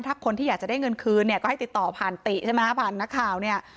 ถ้าคนที่อยากจะได้เงินคืนเนี่ยก็ให้ติดต่อผ่านติใช่ไหมผ่านนักข่าวเนี่ย